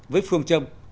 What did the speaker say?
với phương châm